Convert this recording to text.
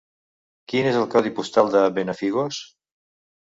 Quin és el codi postal de Benafigos?